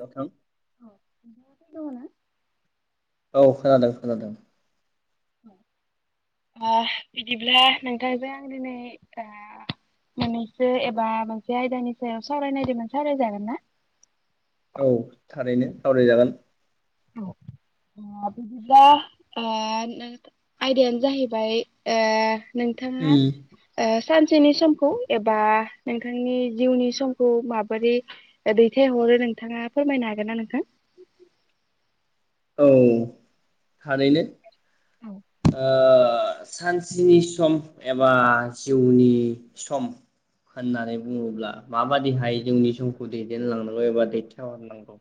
नोंथां औ नोंथाङा प्रि दङना? औ खोनादों खोनादों। औ आ बिदिब्ला नोंथांजों आं दिनै ओ मोननैसो एबा मोनसे आयदानि सायाव सावरायनायदों सावरायजागोन ना? औ थारैनो सावरायजागोन। औ आ बिदिब्ला ओ नोंथा आयदायानो जाहैबाय ओ नोंथाङा उम ओ सानसेनि समखौ एबा नोंथांनि जिउनि समखौ माबोरै दैथायहरो नोंथाङा फोरमायनो हागोन ना नोंथां? औ थारैनो। औ ओ सानसेनि सम एबा जिउनि सम होननानै बुङोब्ला माबादिहाय जोंनि समखौ दैदेनलांनांगौ एबा दैथायहरनांगौ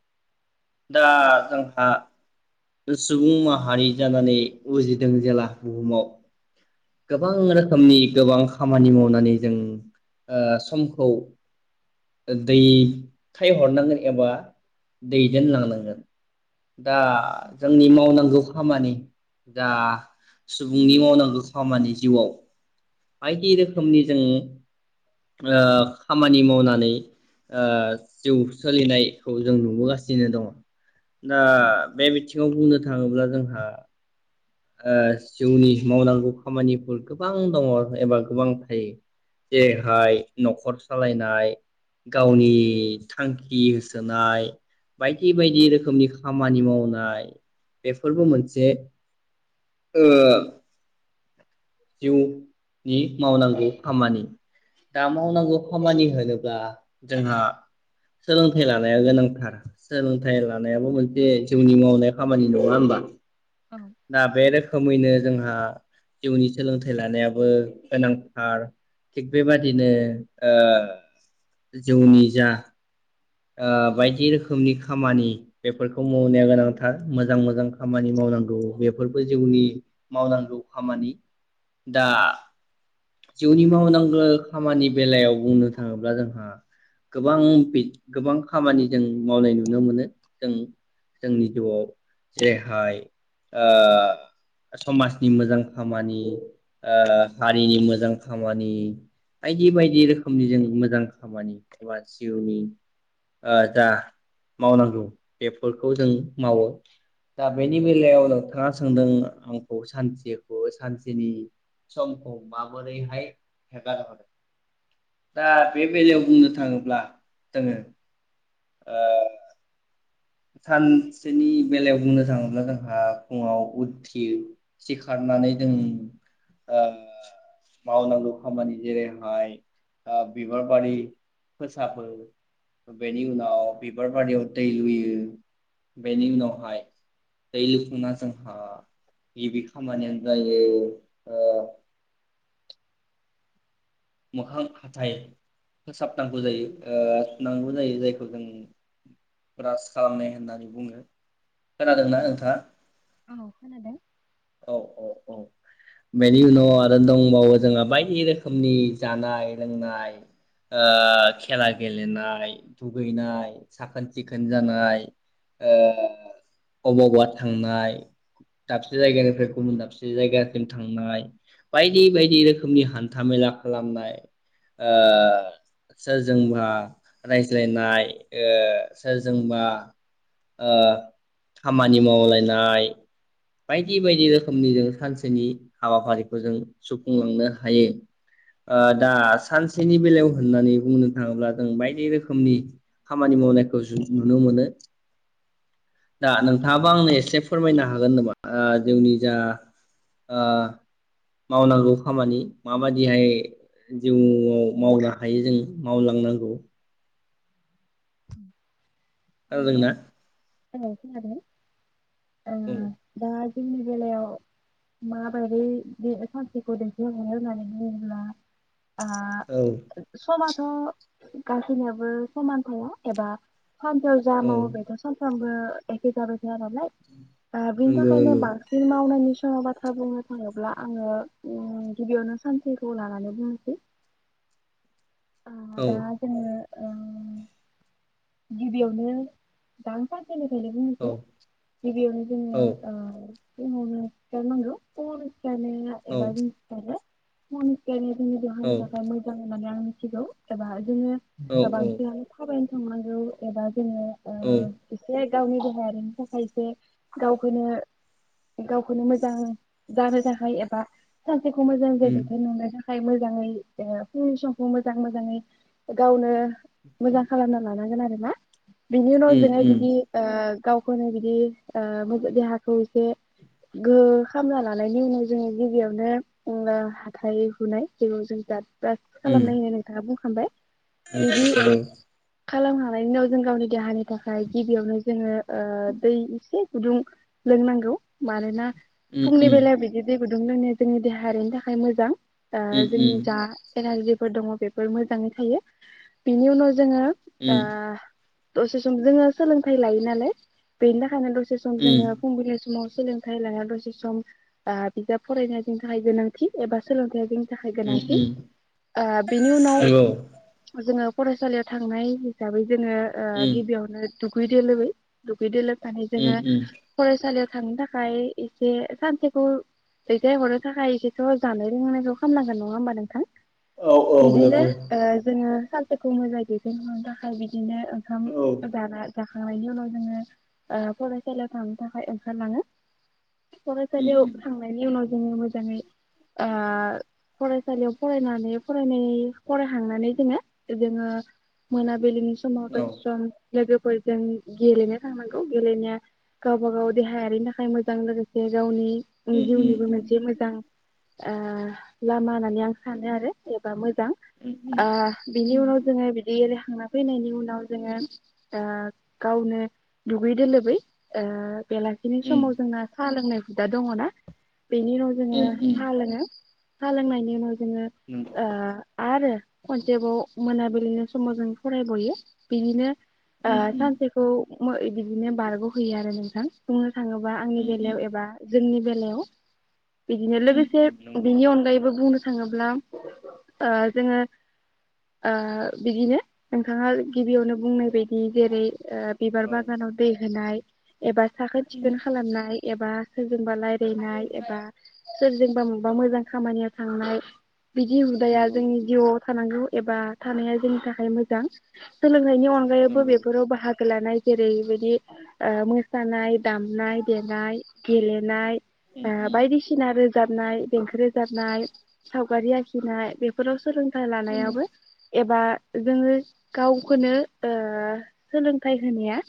दा जोंहा सुबुं माहारि जानानै उजिदों जेला बुहुमाव गोबां रोखोमनि गोबां खामानि मावनानै जों ओ समखौ दैथायहरनांगोन एबा दैदेनलांनांगोन। दा औ जोंनि मावनांगौ खामानि दा सुबुंनि मावनांगौ खामानि जिउआव बायदि रोखोमनि जोङ खामानि मावनानै जिउ सोलिनायखौ जों नुबोगासिनो दङ। दा बे बिथिङाव बुंनो थाङोब्ला जोंहा जिउनि मावनांगौ खामानिफोर गोबां दङ एबा गोबां थायो जेरैहाय न'खर सालायनाय गावनि थांखि होसोनाय बायदि बायदि रोखोमनि खामानि खामानि मावनाय बेफोरबो मोनसे जिउनि मावनांगौ खामानि दा मावनांगौ औ खामानि होनोब्ला जोंहा सोलोंथाइ लानाया गोनांथार सोलोंथाइ लानायाबो मोनसे जे जोंनि मावनाय खामानि नङा होनबा दा बे रोखोमैनो जोंहा जिउनि सोलोंथाइ लानायाबो गोनांथार थिग बेबादिनो जौनि जा ओ बायदि रोखोमनि खामानि बेफोरखौ मावनाया गोनांथार मोजां मोजां खामानि मावनांगौ बेफोरबो जिउनि मावनांगौ खामानि दा जिउनि मावनांगौ खामानि बेलायाव बुंनो थाङोब्ला जोंहा गोबां गोबां खामानि जों मावनाय नुनो मोनो जों जोंनि जिउआव जेरैहाय समाजनि मोजां खामानि हारिनि मोजां मोजां खामानि बायदि बायदि रोखोमनि जों मोजां खामानि एबा जिउनि जा मावनांगौ बेफोरखौ जों मावो दा बेनि बेलायाव नोंथाङा सोंदों आंखौ सानसेखौ सानसेनि समखौ मा बोरैहाय हेगार हरनो दा बे बेलायाव बुंनो थाङोब्ला जोङो ओ सानसेनि बेलायाव बुंनो थाङोब्ला जोंहा फुङाव उथिरियो सिखारनानै जों मावनांगौ खामानि जेरैहाय बिबार बारि फोसाबो बेनि उनाव बिबार बारियाव दै लुयो। बेनि उनावहाय दै लुफुना जोंहा गिबि खामानियानो जायो। मोखां हाथाइ फोसाबनांगौ जायोनांगौ जायो ओ जायखौ जों ब्राज खालामनाय होननानै बुङो। खोनादोंना नोंथाङा औ खोनादों। औ औ? औ बेनि उनाव आरो दंबावो जोंहा बायदि रोखोमनि जानाय लोंनाय खेला गेलेनाय दुगैनाय साखोन सिखोन जानाय अबावा थांनाय दाबसे जायगानिफ्राय गुबुन दाबसे जायगानिसिम थांनाय बायदि बायदि रोखोमनि हान्था मेला खालामनाय सोरजोंबा रायज्लायनाय सोरजोंबा खामानि मावलायनाय बायदि बायदि रोखोमनि जों सानसेनि हाबाफारिखौ जों सुफुंलांनो हायो। दा सानसेनि बेलायाव होननानै बुंनो थाङोब्ला जों बायदि रोखोमनि खामानि मावनायखौ जों नुनो मोनो दा नोंथाङाबा आंनो एसे फोरमायनो ह हागोन होनबा जोंनि जा मावनांगौ खामानि माबायदि जिहाय जिउआव मावनो हायो जों मावलांनांगौ। उम। खोनादोंंना? औ खोनादों। ओ औ दा जोंनि बेलायाव माबायदि बे सान्थिखौ दिन्थियो होननानै बुङोब्ला थांआ औ समा थ' गासिनियाबो समान थाया। एबा सानफायाव जा औ मावदो सानथाम ओ एके थाबाय थाया नालाय। ओ बेनि नंगौ थाखायनो नंगौ बांसिन मावनायनि थाङा बाथ्रा बुंनो थाङोब्ला आङो उम गिबियावनो सानसेखौ लानानै बुंनोसै। आ औ दा जोङो ओ गिबियावनो दां [unintelligible] फोरनिफ्रायनो औ बुंनोसै गिबियावनो औ जोङो ओ फुंङावनो सिखारनांगौ फुङावनो सिखारनायनि उनाव औ एबा जों सिखारो। मनसेनि। जोंनि देहानि थाखाय मोजां होन्नानै आं थिगौ एबा जोङो औ औ बांसिनानो थाबायनो [unintelligible] औ एबा जोङो ओ औ एसे गावनि देहायारिनि थाखाय एसे गावखौनो गावखौनो मोजां जानो थाखाय एबा [unintelligible] [unintelligible] उम थाय मोजाङै ओ फुंनि समखौ मोजां मोजाङै गावनो मोजां खालामना लानागोन आरोना। बिनि उनाव उम जोङो उम बिदि ओ गावखौनो बिदि ओ मोजा देहाखौ बे गोहो खामना लानायनि उनाव जोङो गिबियावनो ओ हाथाय हुनाय जेयाव जों गाब ब्रास उम खालामनायनि उनाव नोंथाङा बुंखांबाय [unintelligible] खालाम खांनायनि उनाव जों गावनि देहानि थाखाय गिबियावनो जोङो ओ दै इसे गुदुं लोंनांगौ मानोना उम फुङनि बेला बिदि दै गुदुं लोंनाया जोंनि देहायारिनि थाखाय मोजां ओ जोंनि जा एनारजि फोर दङ बेफोर मोजाङै थायो बिनि उनाव जोङो ओ दसे सम जोङो सोलोंथाइ लायो नालाय बेनि थाखायनो द सम उम उम जोङो फुंबिलि समाव सोलोंथाइ लानाया दसे सम बा बिजाब फरायनाया जोंनि थाखाय गोनांथि एबा सोलोंथाइआ ज [unintelligible] थाखाय उम गोनांथि उम बेनि उनाव नंगौ जोंङो फरायसालियाव थांनाय जाबै जोङो उम गिबियावनो दुगै दोलोबै- दुगै दोलोबै [unintelligible] उम जोंङो उम फरायसालियाव थांनो थाखाय एसे सानसेखौ दैथायहरनो थाखाय एसेथ' जानाय लोंनायखौ खालामनांगोन नङा होमबा नोंथां औ औ बिदिनो नंगौ जोङो [unintelligible] मोजांङै दैदेनलांबा [unintelligible] बिदिनो ओंखाम औ जा जाखां नायनि उनाव जोङो फरायसालियाव थांनो थाखाय ओंखारलाङो उम फरायसालियाव उम थांनायनि उनाव जों मोजांङै फरायसालियाव फरायनानै फराय फरायहांनानै जोङो - जोङो मोन [unintelligible] औ [unintelligible] लोगोफोरजों गेलेनो थांनांगौ गेलेनाया गावबा गाव देहायारिनि थाखाय मोजां लोगोसे गावनि उम उम जिउनिबो उम मोनसे मोजां लामा होननानै आं सानो आरो एबा मोजां उम [unintelligible] बिनि उम उनाव जोङो बिदि रायखांना फैनायनि उनाव जोङो गावनो दुगै दोलोबै बेलासिनि समाव उम जोंना साहा लोंनाय दा दङ ना बेनि उनाव जोङो उम उम [unintelligible] लोङो सा लोंनायनि उनाव [unintelligible] नंगौ ओ आरो खनसेबाव मोनाबिलिनि समाव जों फरायबयो बिनिनो ओ उम उम सानसेखौ बिदिनो बारग'हैयो आरो नोंथां थाङोबा आंनि उम बेलायाव उम एबा जोंनि बेलायाव बिदिनो लोगोसे उम उम नंगौ बिनि अनगायैबो बुंनो थाङोब्ला जोङो ओ बिदिनो नोंथाङा गिबियावनो बुंनाय बायदि जेरै बिबार औ बागानाव दै होनाय एबा साखोन उम सिखोन खालामनाय एबा जोंबा रायज्लायनाय एबा सोरजोंबा मबा मोजां खामानियाव थांनाय बिदि हुदाया नंगौ जोंनि जिउआव थानांगौ एबा थानाया जोंनि थाखाय मोजां जां नि अनगायैबो नंगौ बेफोराव बाहागो लानाय जेरैबायदि मोसानाय दामनाय देनाय गेले नाय उम उम बायदिसिना रोजाबनाय देंखो रोजाबनाय सावगारि आखिनाय बेफोराव सोलोंथाइ नंगौ लानायाबो एबा जोङो गावखौनो ओ सोलोंथाइ होनाया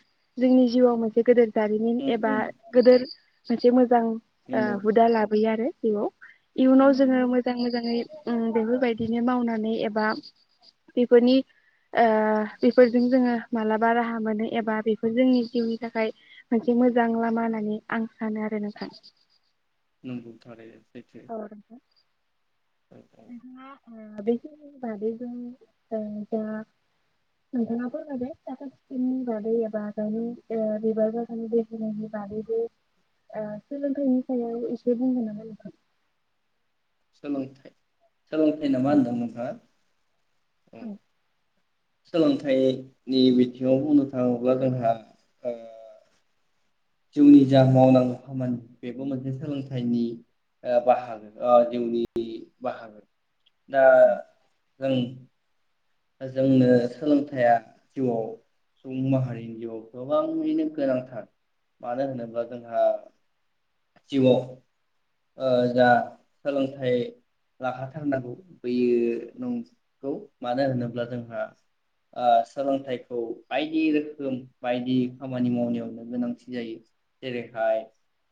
जोंनि जिउआव मोनसे गोदोर जारिमिन उम एबा उम गेदोर [unintelligible] मोजां नंगौ हुदा लाबोयो आरो हेल' इयुनाव नंगौ जोङो नंगौ मोजां मोजाङै उम बेफोरबायदिनो मावनानै एबा बेफोरनि ओ बेफोरजों जोङो मालाबा राहा मोनो एबा बेफोर जोंनि जिउनि थाखाय मोनसे मोजां लामा होननानै आं सानो आरो नोंथां। नंगौ नोंथां सैथो। औ नोंथां औ औ नोंथाङा आ बेखिनि बादै जों ओ दा नोंथाङा फोरमायबाय साखोन-सिखोननि बागै एबा जोंनि बिबार बागाननि दै होनायनि बागैबो सोलोंथाइनि सायाव एसे बुंगोन नामा नोंथां? सोलोंथाय सोलोंथाय नामा होनदोंमोन नोंथाङा? औ सोलोंथाइनि बिथिङाव बुंनो थाङोब्ला जोंहा ओ जोंनि जा मावनांगौ खामानि बेबो मोनसे सोलोंथाइनि ओ बाहागो ओ जिउनि बाहागो। दा जों दा जोंनो सोलोंथाइया जिउआव सुबुं माहारिनि जिउआव गोबाङैनो गोनांथार मानो होनोब्ला जोंहा जिउआव ओ जा सोलोंथाइ लाखाथारनांगौ बैयो नंगौ। मानो होनोब्ला जोंहा आ सोलोंथाइखौ बायदि रोखोम बायदि खामानि मावनायावनो गोनांथि जायो जेरैहाय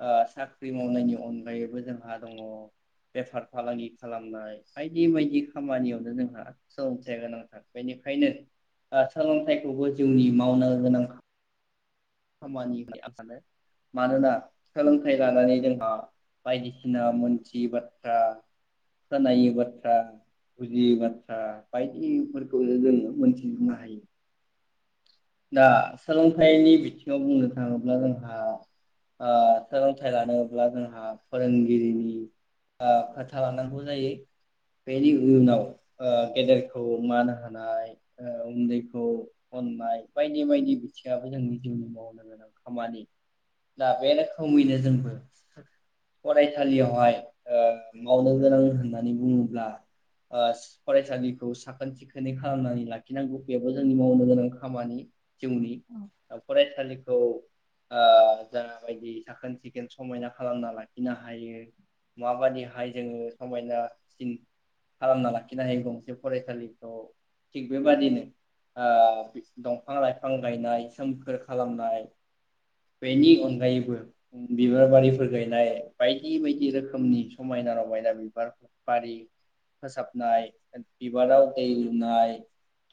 आ साख्रि मावनायनि अनगायैबो जोंहा दङ बेफार फालांगि खालामनाय बायदि बायदि खामानियावनो जोंहा सोलोंथाइया गोनांथार बेनिखायनो आ सोलोंथाइखौबो जिउनि मावनो गोनां खामानि होन आं सानो। मानोना खोलम खायलाानानै जों हा बायदिसिना मोनथियै बाथ्रा खोनि बाथ्रा बुजियै बाथ्रा बायदिफोरखौनो जोङो मोनथिजोबनो हायो। दा सोलोंथाइनि बिथिङाव बुंनो थाङोब्ला जोंहा आ सोलोंथाइ लानोब्ला जोंहा फोरोंगिरिनि आ खोथा लानांगौ जायो। बेनि उयनाव ओ गेदेर खौ मान होनाय ओ उन्दैखौ अननाय। बायदि बायदि बिथिङाबो जोंनि जिउनि मावनो गोनां खामानि दा बे रोखोमैनो जोंबो फरायसालियावहाय ओ मावनो गोनां होननानै बुङोब्ला ओ फरायसालिखौ साखोन सिखोनै खालामनानै लाखिनांगौ बेबो जोंनि मावनो गोनां खामानि। जिउनि ओ फराय सालिखौ आ जाबायदि साखोन सिखोन समायना खालामना लाखिनो हायो माबाददिहाय जोङो समायनासिन खालामना लाखिनो हायो गंसे फरायसालिखौ थिग बेबादिनो आ [unintelligible] बिफां लाइफां गायनाय सोमखोर खालामनाय बेनि अनगायैबो बिबार बारिफोर गायनाय बायदि बायदि रोखोमनि समायना रमायना बिबार बारि फोसाबनाय बिबाराव दै लुनाय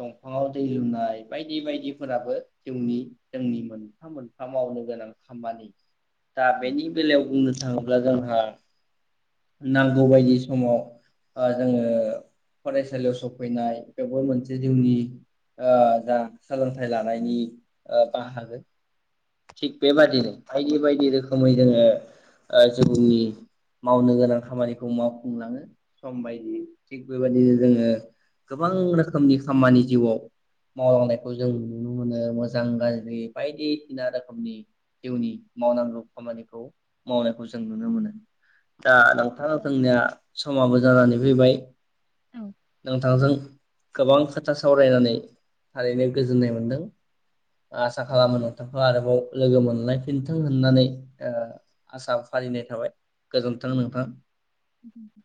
दंफाङाव दै लुनाय बायदि बाय दि फोराबो जिउनि जोंनि मोनफा मोनफा मावनो गोनां खामानि। दा बेनि बेलायाव बुंनो थाङो ब्ला जोंहा नांगौ बायदि समाव ओ जोङो फरायसालियाव सफैनाय बेबो मोनसे जिउनि ओ जा सोलोंथाइ लानायनि ओ बाहागो थिग बेबादिनो बायदि बायदि रोखोमै जोङो ओ जिनि मावनो गोनां खामानिखौ मावफुंलाङो सम बायदि थिग बेबायदिनो जोङो गोबां रोखोमनि खामानि जिउआव मावलांनाय खौ जों नुनो मोनो मोजां गाज्रि बायदिसिना रोखोमनि जिउनि मावनांगौ खामानिखौ मावनायखौ जों नुनो मोनो। दा नोंथाङा जोंनिया समाबो जानानै फैबायाय। नोंथांजों गोबां खोथा सावरायनानै थारैनो गोजोननाय मोन्दों। आसा खालामोथ'खौ आरोबाव लोगो मोनलायफिनथों होननानै ओ आसा फाारिलिनाय थाबाय गोजोन्थों नोंथां। गोजोनथों।